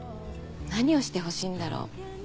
何をしてほしいんだろう。